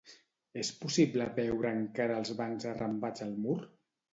És possible veure encara els bancs arrambats al mur.